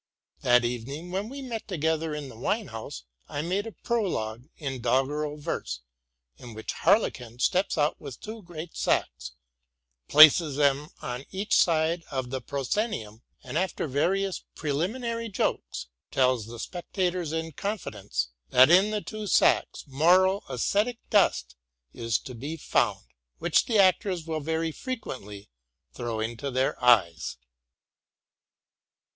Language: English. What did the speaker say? That evening, when we met together in the wine house, I made a prologue in doggerel verse, in which Harlequin steps out with two great sacks, places them on each side of the proscenium, and, after various preliminary jokes, tells the spectators in confidence, that in the two sacks moral esthetic dust is to be found, which the actors will very frequently throw into their eyes.